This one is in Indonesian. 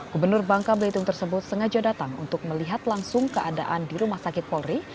gubernur bangka belitung tersebut sengaja datang untuk melihat langsung keadaan di rumah sakit polri